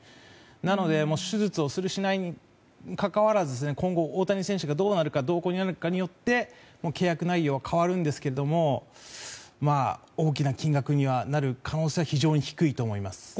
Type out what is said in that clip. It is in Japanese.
なので手術をする、しないにかかわらず今後、大谷選手がどうなるかによって契約内容は変わるんですけども大きな金額になる可能性は非常に低いと思います。